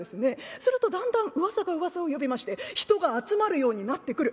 するとだんだんうわさがうわさを呼びまして人が集まるようになってくる。